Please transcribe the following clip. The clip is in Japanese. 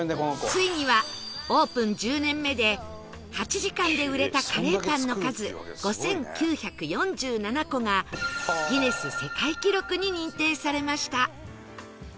ついにはオープン１０年目で８時間で売れたカレーパンの数５９４７個がギネス世界記録に認定されました